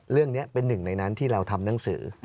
เรื่องนี้เป็นหนึ่งในนั้นที่เราทำหนังสือ